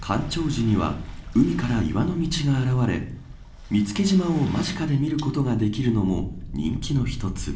干潮時には海から岩の道が現れ見附島を間近で見ることができるのも人気の一つ。